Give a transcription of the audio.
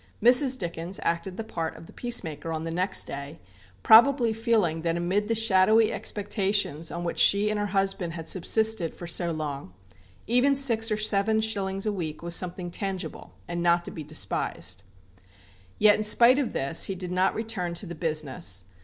Mrs. Dickens acted the part of the peacemaker on the next day, probably feeling that amid the shadowy expectations on which she and her husband had subsisted for so long, even six or seven shillings a week was something tangible, and not to be despised. Yet in spite of this, he did not return to the business.